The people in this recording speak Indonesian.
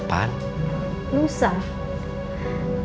bapak mak ini pamit